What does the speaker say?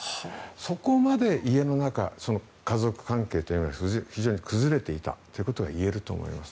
そこまで家の中家族関係というのが非常に崩れていたということが言えると思います。